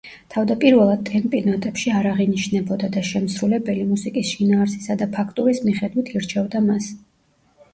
თავდაპირველად ტემპი ნოტებში არ აღინიშნებოდა და შემსრულებელი მუსიკის შინაარსისა და ფაქტურის მიხედვით ირჩევდა მას.